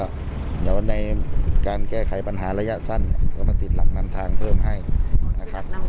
แต่ว่าในการแก้ไขปัญหาระยะสั้นเนี่ยก็มันติดหลักนำทางเพิ่มให้นะครับ